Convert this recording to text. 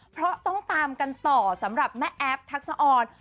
เพราะต้องตามกันต่อสำหรับแม่แอฟทักษะออน